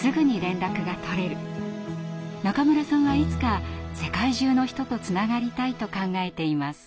中村さんはいつか世界中の人とつながりたいと考えています。